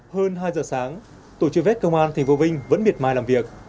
hơn hai giờ sáng tổ chức vết công an thành phố vinh vẫn miệt mài làm việc